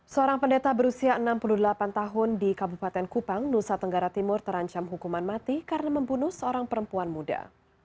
seorang pendeta berusia enam puluh delapan tahun di kabupaten kupang nusa tenggara timur terancam hukuman mati karena membunuh seorang perempuan muda